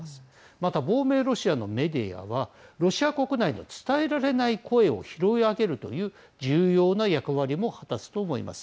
また亡命ロシアのメディアはロシア国内で伝えられない声を拾い上げるという重要な役割も果たすと思います。